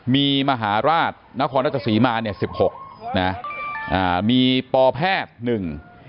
มีมหาราชนครรภ์จักรศรีมาสิบหกมีปอแพทย์หนึ่ง